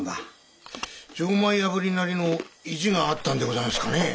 錠前破りなりの意地があったんでございますかねぇ。